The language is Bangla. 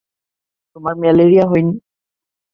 তোমার ম্যালেরিয়া হয়নি!